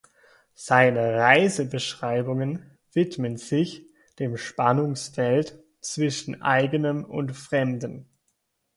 Seine Reisebeschreibungen widmen sich dem Spannungsfeld zwischen Eigenem und Fremden.